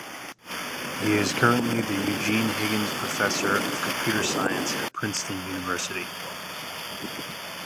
He is currently the Eugene Higgins Professor of Computer Science at Princeton University.